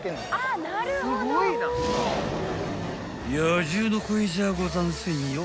［野獣の声じゃござんせんよ